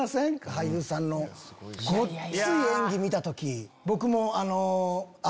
俳優さんのごっつい演技見た時。